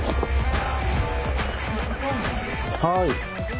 はい。